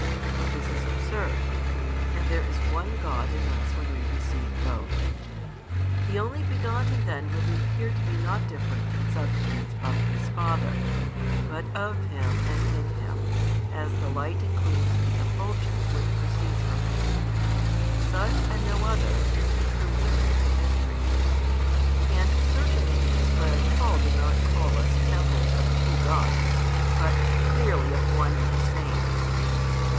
But this is absurd, and there is one God in us when we receive both. The Only begotten then will appear to be not different in substance from His Father, but of Him and in Him, as the light includes the effulgence which proceeds from it. Such, and no other, is the true meaning of the mystery. And certainly the inspired Paul did not call us temples of two Gods, but clearly of one and the same.